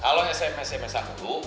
kalau sms an dulu